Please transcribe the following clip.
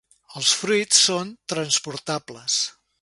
Els fruits són transportables.